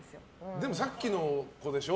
でも、さっきの子でしょ。